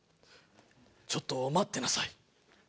ちょっと待ってなさい。